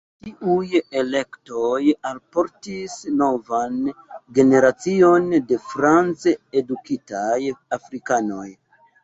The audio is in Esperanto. Tiuj elektoj alportis novan generacion de franc-edukitaj afrikanoj.